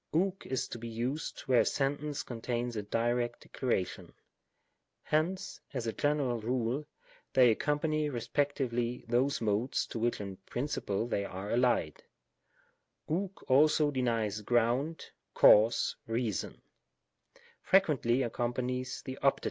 ovx is to be used where a sentence contains a direct declaration. Hence, as a general rule, they accompany respectively those Modes to which in principle they are allied, ovx also denies ground, cause, reason ; frequently accom panies the Opt.